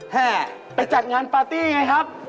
ไปจัดงานปาร์ตี้ไงครับ